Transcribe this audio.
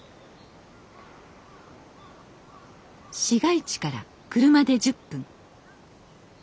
市街地から車で１０分。